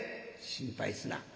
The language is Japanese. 「心配すな。